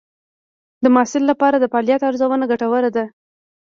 د محصل لپاره د فعالیت ارزونه ګټوره ده.